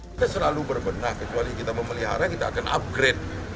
kita selalu berbenah kecuali kita memelihara kita akan upgrade